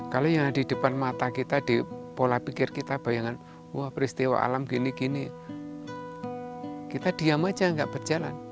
kalau yang di depan mata kita di pola pikir kita bayangan wah peristiwa alam gini gini kita diam aja nggak berjalan